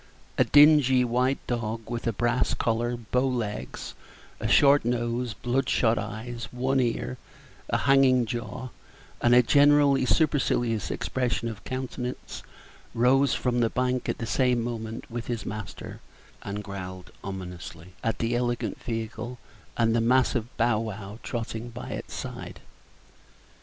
A dingy white dog, with a brass collar, bow legs, a short nose, bloodshot eyes, one ear, a hanging jaw, and a generally supercilious expression of countenance, rose from the bank at the same moment with his master, and growled ominously at the elegant vehicle and the mastiff Bow wow trotting by its side.